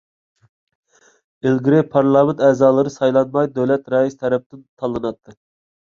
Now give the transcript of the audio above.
ئىلگىرى پارلامېنت ئەزالىرى سايلانماي، دۆلەت رەئىسى تەرەپتىن تاللىناتتى.